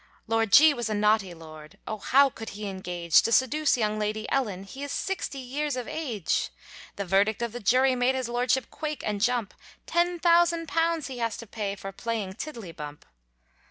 Lord G was a naughty lord, Oh! how could he engage, To seduce young Lady Ellen, He is sixty years of age. The verdict of the jury Made his lordship quake and jump, Ten thousand pounds he has to pay, For playing tiddly bump.